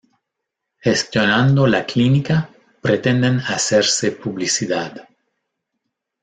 Gestionando la clínica pretenden hacerse publicidad.